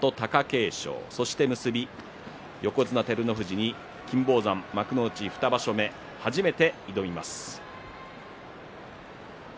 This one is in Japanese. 結び横綱照ノ富士に金峰山、幕内２場所目初めて挑みます。